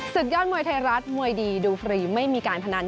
ยอดมวยไทยรัฐมวยดีดูฟรีไม่มีการพนัน